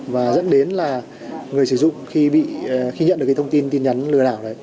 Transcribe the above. và dẫn đến là người sử dụng khi nhận được cái thông tin tin nhắn lừa đảo đấy